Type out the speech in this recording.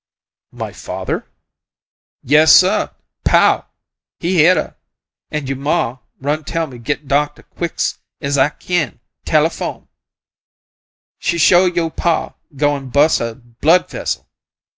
"My father?" "YESsuh! POW! he hit 'er! An' you' ma run tell me git doctuh quick 's I kin telefoam she sho' you' pa goin' bus' a blood vessel.